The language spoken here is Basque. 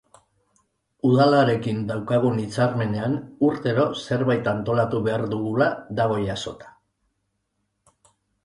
Udalarekin daukagun hitzarmenean urtero zerbait antolatu behar dugula dago jasota.